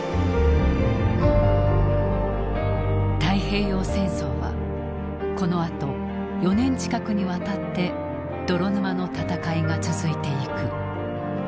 太平洋戦争はこのあと４年近くにわたって泥沼の戦いが続いていく。